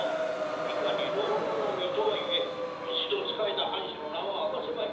いかに浪々の身とはいえ一度仕えた藩主の名は明かせまい。